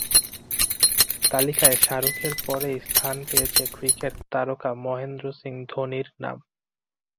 তালিকায় শাহরুখের পরেই স্থান পেয়েছে ক্রিকেট তারকা মহেন্দ্র সিং ধোনির নাম।